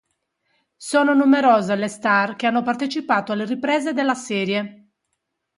Sono numerose le star che hanno partecipato alle riprese della serie.